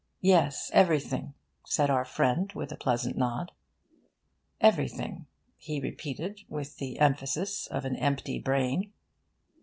'Yes, everything,' said our friend, with a pleasant nod. 'Everything,' he repeated, with the emphasis of an empty brain.